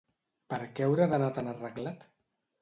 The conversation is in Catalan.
Per què haurà d'anar tan arreglat?